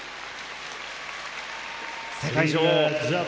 世界女王